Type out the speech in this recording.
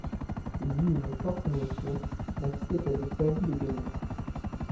Il y eut une forte émotion, la fillette avait failli le gagner.